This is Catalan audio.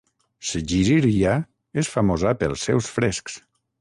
Sigirirya és famosa pels seus frescs.